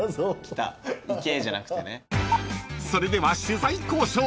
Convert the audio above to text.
［それでは取材交渉］